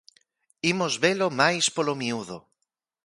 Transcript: Imos velo máis polo miúdo.